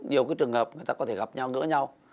nhiều cái trường hợp người ta có thể gặp nhau gỡ nhau